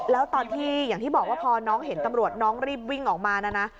แล้วตอนที่อย่างที่บอกว่าพอน้องเห็นตำรวจน้องรีบวิ่งออกมานะนะ